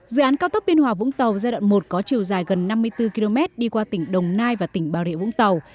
dự án cao tốc biên hòa vũng tàu giai đoạn một có chiều dài gần năm mươi bốn km đi qua tỉnh đồng nai và tỉnh bà rịa vũng tàu